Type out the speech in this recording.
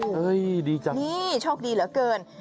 ดีจังนี่โชคดีเหลือเกิน